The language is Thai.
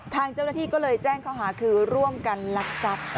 ทางเจ้าหน้าที่ก็เลยแจ้งข้อหาคือร่วมกันลักทรัพย์